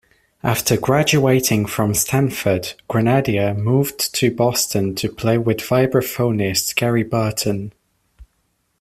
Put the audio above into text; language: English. After graduating from Stanford, Grenadier moved to Boston to play with vibraphonist Gary Burton.